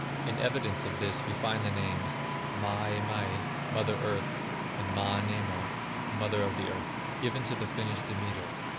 In evidence of this we find the names, Maa emæ (mother earth), and Maan emo (mother of the earth), given to the Finnish Demeter.